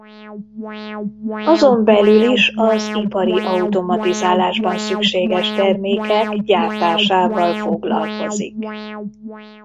Azon belül is az ipari automatizálásban szükséges termékek gyártásával foglalkozik.